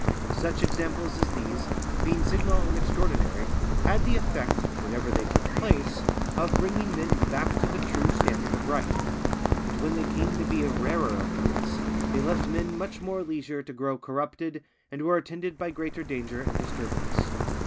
Such examples as these, being signal and extraordinary, had the effect, whenever they took place, of bringing men back to the true standard of right; but when they came to be of rarer occurrence, they left men more leisure to grow corrupted, and were attended by greater danger and disturbance.